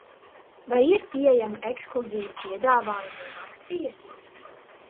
Vai ir pieejami ekskluzīvi piedāvājumi un akcijas?